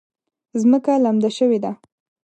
ځمکه لمده شوې ده